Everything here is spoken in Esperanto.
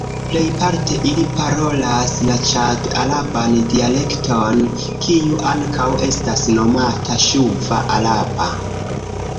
Plejparte ili parolas la ĉad-araban dialekton, kiu ankaŭ estas nomata "ŝuva-araba".